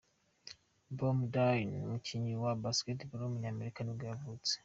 Bam Doyne, umukinnyi wa basketball w’umunyamerika nibwo yavutse.